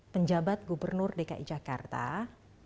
penjabat gubernur dki jakarta